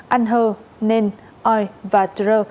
anh hơ nên oi và trơ